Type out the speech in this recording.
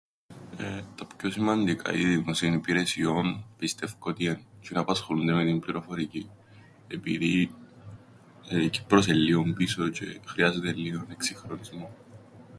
Τα πιο σημαντικά είδη δημόσιων υπηρεσιών πιστε΄υκω ότι εν' τζ̆είνα που ασχολούνται με την πληροφορικήν επειδή η Κύπρος εν' λλίον πίσω τζ̆αι χρειάζεται λλίον εκσυγχρονισμόν.